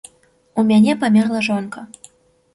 У мяне памерла жонка.